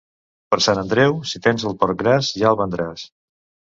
Per Sant Andreu, si tens el porc gras, ja el vendràs.